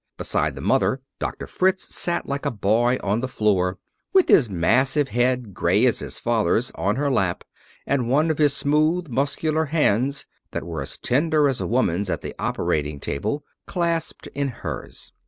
Beside the mother, Doctor Fritz sat like a boy, on the floor, with his massive head, grey as his father's, on her lap, and one of his smooth, muscular hands, that were as tender as a woman's at the operating table, clasped in hers.